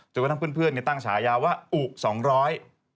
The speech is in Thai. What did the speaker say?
จนก็ทั้งเพื่อนเนี่ยตั้งฉายาวว่าอุ๊สองร้อย